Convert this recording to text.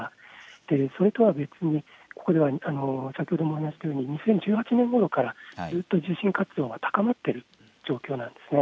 それとは別に先ほどもありましたように２０１８年ごろからずっと地震活動が高まっている状況なんですね。